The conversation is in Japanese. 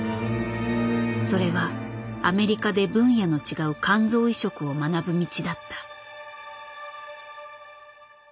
それはアメリカで分野の違う肝臓移植を学ぶ道だった。